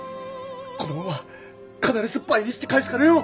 この恩は必ず倍にして返すからよ！